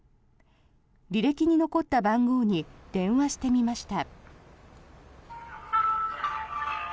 履歴に残った番号に電話してみました。